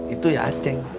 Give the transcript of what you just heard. itu ya acing